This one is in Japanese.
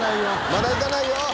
「まだ行かないよ！」